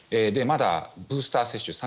まだブースター接種